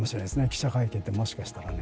記者会見ってもしかしたらね。